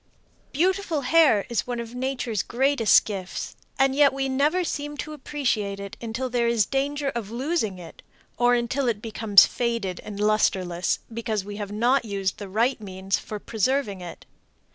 Beautiful hair is one of nature's greatest gifts, and yet we never seem to appreciate it until there is danger of losing it, or until it becomes faded and lusterless because we have not used the right means for preserving it.